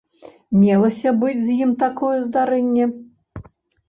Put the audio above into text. Мелася быць з ім такое здарэнне.